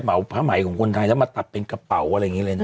ผ้าไหมของคนไทยแล้วมาตัดเป็นกระเป๋าอะไรอย่างนี้เลยนะ